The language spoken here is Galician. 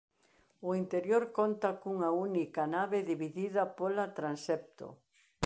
O interior conta cunha única nave dividida pola transepto.